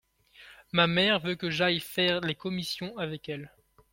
Ma mère veut que j’aille faire les commissions avec elle.